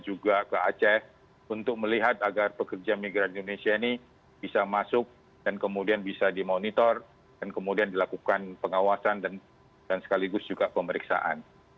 juga ke aceh untuk melihat agar pekerja migran indonesia ini bisa masuk dan kemudian bisa dimonitor dan kemudian dilakukan pengawasan dan sekaligus juga pemeriksaan